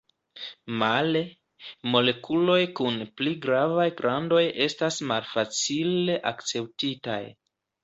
Male, molekuloj kun pli gravaj grandoj estas malfacile akceptitaj.